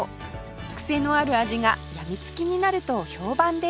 クセのある味が病みつきになると評判です